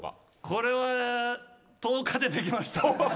これは１０日でできました。